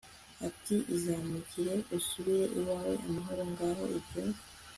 ati Izamukire usubire iwawe amahoro Ngaho ibyo